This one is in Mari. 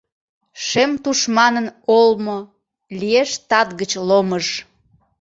Шем тушманын олмо Лиеш тат гыч ломыж…